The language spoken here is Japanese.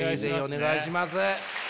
お願いします。